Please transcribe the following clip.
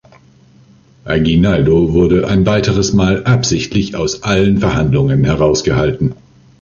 Aguinaldo wurde ein weiteres Mal absichtlich aus allen Verhandlungen herausgehalten.